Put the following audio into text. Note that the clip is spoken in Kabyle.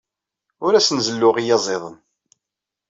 Ur asen-zelluɣ iyaziḍen.